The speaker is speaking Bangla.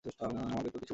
আমাকে তো কিছু বলে নি।